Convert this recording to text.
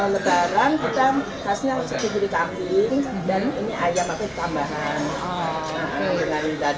lebaran kita khasnya harus diberi kambing dan ini ayam tapi tambahan